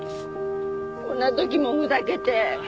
こんな時もふざけて。